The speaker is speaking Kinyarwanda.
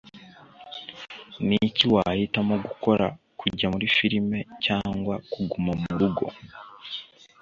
Niki wahitamo gukora, kujya muri firime cyangwa kuguma murugo?